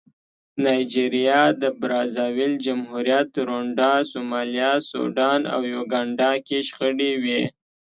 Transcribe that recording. نایجریا، د برازاویل جمهوریت، رونډا، سومالیا، سوډان او یوګانډا کې شخړې وې.